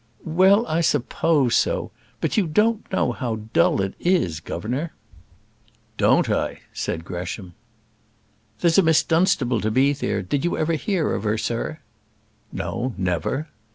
"Well, I suppose so; but you don't know how dull it is, governor." "Don't I!" said Gresham. "There's a Miss Dunstable to be there; did you ever hear of her, sir?" "No, never."